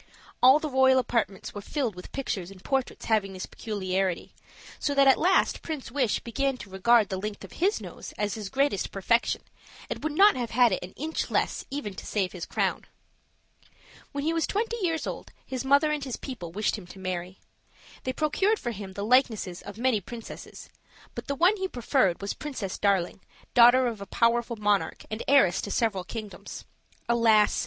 All the royal apartments were filled with pictures and portraits having this peculiarity, so that at last Prince Wish began to regard the length of his nose as his greatest perfection, and would not have had it an inch less even to save his crown. When he was twenty years old his mother and his people wished him to marry. They procured for him the likenesses of many princesses, but the one he preferred was Princess Darling, daughter of a powerful monarch and heiress to several kingdoms. Alas!